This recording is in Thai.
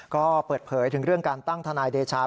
ก็เปิดเผยถึงเรื่องการตั้งทนายเดชา